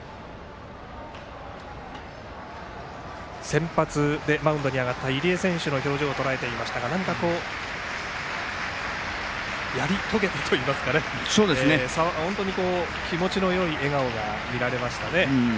先発でマウンドに上がった入江選手の表情をとらえていましたが何か、やり遂げたといいますか本当に気持ちのよい笑顔が見られました。